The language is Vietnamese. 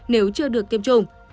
nếu chưa được tiêm chủng